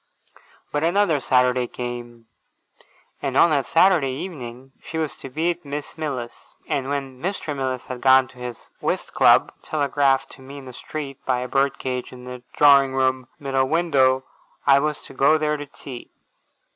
But another Saturday came, and on that Saturday evening she was to be at Miss Mills's; and when Mr. Mills had gone to his whist club (telegraphed to me in the street, by a bird cage in the drawing room middle window), I was to go there to tea.